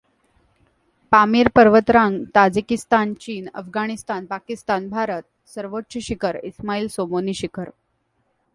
पामीर पर्वतरांग ताजिकिस्तान, चीन, अफगाणिस्तान, पाकिस्तान, भारत; सर्वोच्च शिखर इस्माइल सोमोनी शिखर.